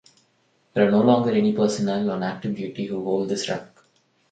There are no longer any personnel on active duty who hold this rank.